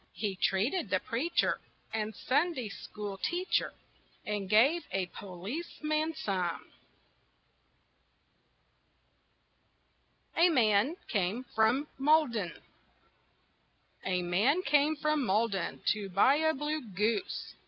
He treated the preacher And Sunday school teacher, And gave a policeman some. A MAN CAME FROM MALDEN A man came from Malden to buy a blue goose.